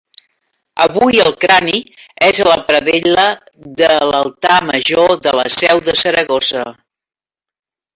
Avui, el crani és a la predel·la de l'altar major de la Seu de Saragossa.